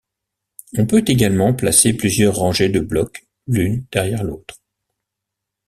On peut également placer plusieurs rangées de blocs l'une derrière l'autre.